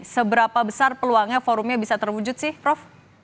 seberapa besar peluangnya forumnya bisa terwujud sih prof